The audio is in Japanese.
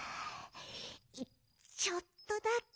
ちょっとだけ。